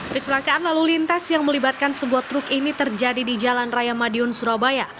kecelakaan lalu lintas yang melibatkan sebuah truk ini terjadi di jalan raya madiun surabaya